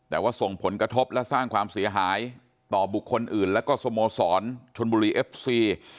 แต่ว่าส่งผลกระทบและสร้างความเสียหายต่อบุคคลอื่นและก็สโมสรชนบุรีเอฟซี